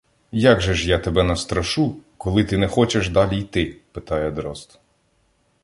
- Як же ж я тебе настрашу, коли ти не хочеш далі йти?- питає Дрозд.